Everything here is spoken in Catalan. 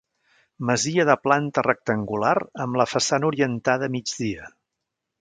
Masia de planta rectangular amb la façana orientada a migdia.